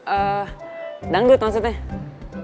eh dangdut maksudnya